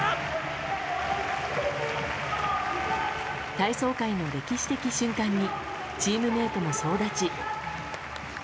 体操界の歴史的瞬間にチームメートも総立ち。